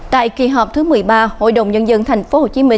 tại kỳ họp thứ một mươi ba hội đồng nhân dân tp hcm